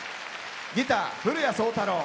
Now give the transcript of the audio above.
ギター、古屋創太郎。